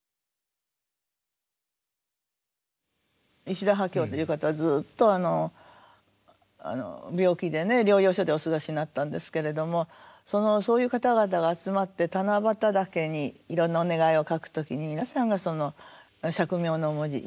石田波郷という方はずっと病気で療養所でお過ごしになったんですけれどもそういう方々が集まって七夕竹にいろんなお願いを書く時に皆さんが「惜命の文字」。